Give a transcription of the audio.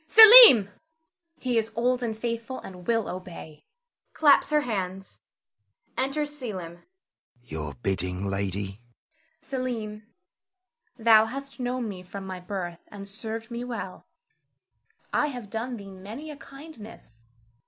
Selim! He is old and faithful, and will obey [claps her hands]. [Enter Selim. Selim. Your bidding, lady. Zara. Selim, thou hast known me from my birth, and served me well. I have done thee many a kindness.